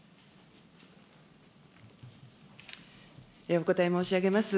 お答え申し上げます。